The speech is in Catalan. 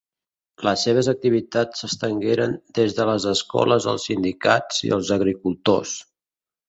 Les seves activitats s'estengueren des de les escoles als sindicats i als agricultors.